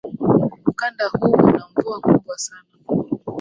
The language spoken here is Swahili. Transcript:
ukanda huu una mvua kubwa sana